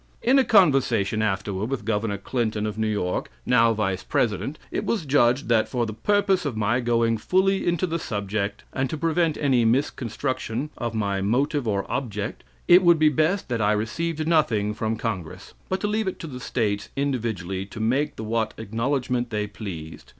"In a conversation afterward with Gov. Clinton, of New York, now vice president, it was judged that for the purpose of my going fully into the subject, and to prevent any misconstruction of my motive or object, it would be best that I received nothing from congress, but to leave it to the states individually to make the what acknowledgement they pleased.